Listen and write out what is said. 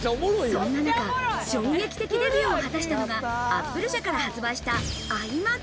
そんな中、衝撃的デビューを果たしたのがＡｐｐｌｅ社から発売したｉＭａｃ。